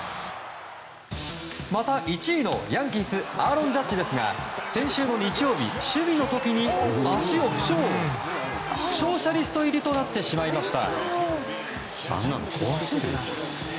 また、１位のヤンキースアーロン・ジャッジですが先週日曜日、守備の時に足を負傷負傷者リスト入りとなってしまいました。